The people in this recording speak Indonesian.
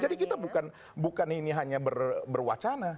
jadi kita bukan ini hanya berwacana